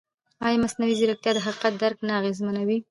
ایا مصنوعي ځیرکتیا د حقیقت درک نه اغېزمنوي؟